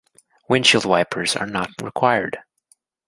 Windshield wipers are not required.